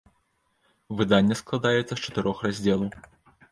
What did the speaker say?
Выданне складаецца з чатырох раздзелаў.